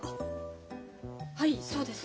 はいそうです。